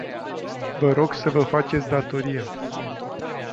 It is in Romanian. Vă rog să vă faceți datoria!